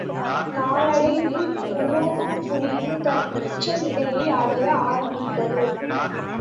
நாளடைவில் உரோமா புரியும் தன் உச்சநிலையை அடைய ஆரம்பித்தது.